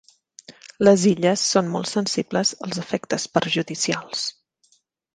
Les illes són molt sensibles als efectes perjudicials.